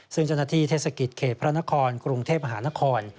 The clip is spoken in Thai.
ซึ่งจณฑิเทศกิจเขตพระนครกรุงเทพภานคร